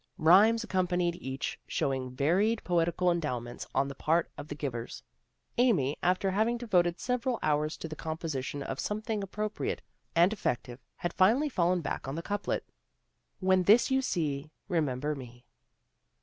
Rhymes accompanied each, showing varied poetical endowments on the part of the givers. Amy, after having devoted several hours to the composition of something appropriate and effective, had finally fallen back on the couplet, " When this you see Remember me."